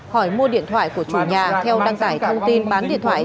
hỏi mua điện thoại của chủ nhà theo đăng tải thông tin bán điện thoại